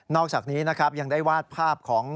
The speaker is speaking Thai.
อกจากนี้นะครับยังได้วาดภาพของ